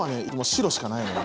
白しかないのよ